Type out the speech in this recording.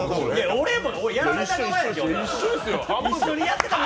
俺もやられた側よ！